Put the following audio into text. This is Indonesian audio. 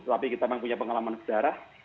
tapi kita memang punya pengalaman berdarah